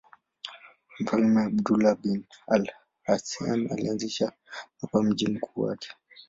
Mfalme Abdullah bin al-Husayn alianzisha hapa mji mkuu wake.